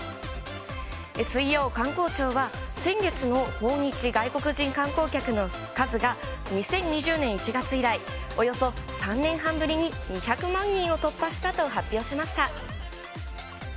水曜、観光庁は先月の訪日外国人観光客の数が２０２０年１月以来、およそ３年半ぶりに２００万人を突破したと発表しました。